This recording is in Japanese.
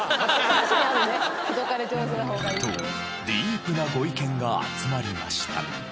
とディープなご意見が集まりました。